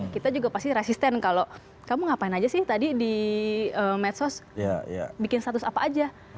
kita juga pasti resisten kalau kamu ngapain aja sih tadi di medsos bikin status apa aja